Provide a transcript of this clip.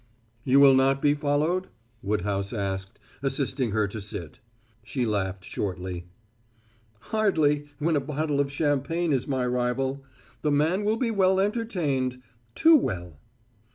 "You will not be followed?" Woodhouse asked, assisting her to sit. She laughed shortly. "Hardly, when a bottle of champagne is my rival. The man will be well entertained too well."